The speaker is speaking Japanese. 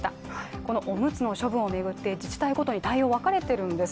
このおむつの処分を巡って自治体ごとに対応が分かれてるんです。